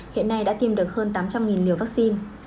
hiện nay đã tiêm được hơn tám trăm linh liều vaccine